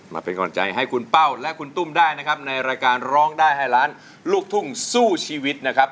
มาเป็นกำลังใจให้คุณเป้าและคุณตุ้มได้นะครับในรายการร้องได้ให้ล้านลูกทุ่งสู้ชีวิตนะครับ